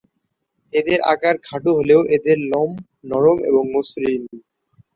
এদের আকার খাটো হলেও এদের লোম নরম এবং মসৃণ।